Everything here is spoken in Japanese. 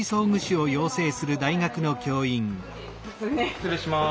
失礼します。